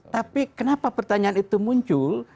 tapi kenapa pertanyaan itu muncul